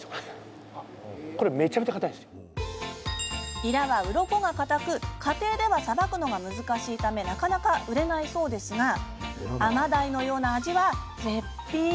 イラは、うろこが硬く家庭では、さばくのが難しいためなかなか売れないそうですがアマダイのような味は絶品。